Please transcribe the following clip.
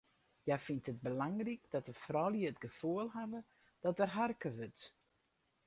Hja fynt it belangryk dat de froulju it gefoel hawwe dat der harke wurdt.